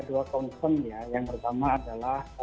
dua konsennya yang pertama adalah